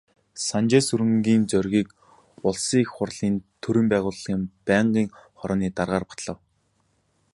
Санжаасүрэнгийн Зоригийг Улсын Их Хурлын төрийн байгуулалтын байнгын хорооны даргаар батлав.